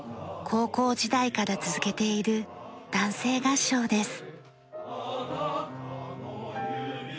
高校時代から続けている男声合唱です。